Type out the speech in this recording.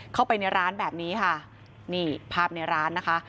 เข้าไปในร้านแบบนี้ค่ะนี่ภาพในร้านนะคะ